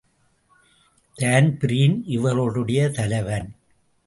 Dan Breen இவர்களுடைய தலைவன்.